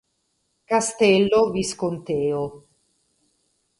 Castello Visconteo